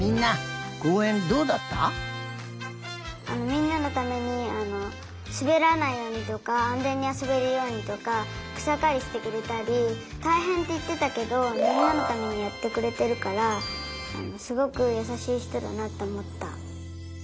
みんなのためにすべらないようにとかあんぜんにあそべるようにとかくさかりしてくれたりたいへんっていってたけどみんなのためにやってくれてるからすごくやさしいひとだなとおもった。